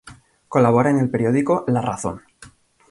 Colabora en el periódico "La Razón".